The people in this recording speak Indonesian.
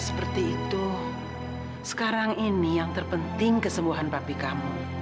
sekarang ini yang terpenting kesembuhan bapi kamu